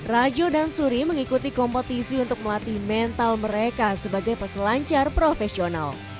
rajo dan suri mengikuti kompetisi untuk melatih mental mereka sebagai peselancar profesional